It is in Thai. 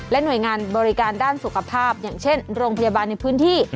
หน่วยงานบริการด้านสุขภาพอย่างเช่นโรงพยาบาลในพื้นที่